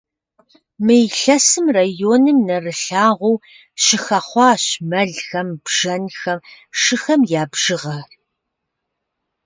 Мы илъэсым районым нэрылъагъуу щыхэхъуащ мэлхэм, бжэнхэм, шыхэм я бжыгъэр.